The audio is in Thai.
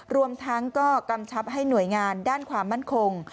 รวมทั้งก็กำชับให้หน่วยงานด้านความมั่นคง